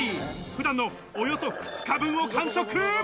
普段のおよそ２日分を完食。